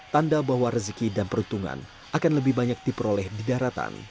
tanda bahwa rezeki dan peruntungan akan lebih banyak diperoleh di daratan